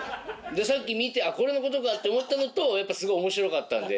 でさっき見てこれのことかって思ったのとやっぱすごい面白かったんで。